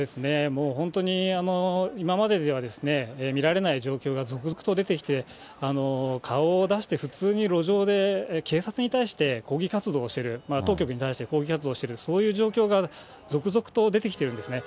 もう本当に、今まででは見られない状況が続々と出てきて、顔を出して普通に路上で警察に対して抗議活動をしてる、当局に対して抗議活動をしている、そういう状況が続々と出てきてるんですね。